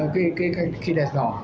khi đẹp rõ